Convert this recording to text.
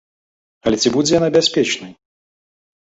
Але ці будзе яна бяспечнай?